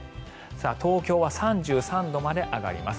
東京は３３度まで上がります。